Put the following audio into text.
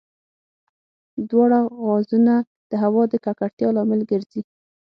دواړه غازونه د هوا د ککړتیا لامل ګرځي.